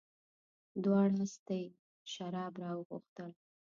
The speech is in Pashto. دواړو استي شراب راوغوښتل.